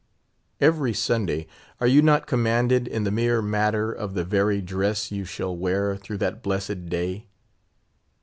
_ Every Sunday are you not commanded in the mere matter of the very dress you shall wear through that blessed day?